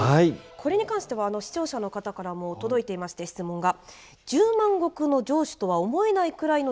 これに関しては視聴者の方からも届いていまして質問が。